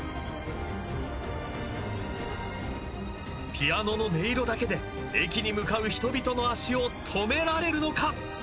ピアノの音色だけで駅に向かう人々の足を止められるのか！？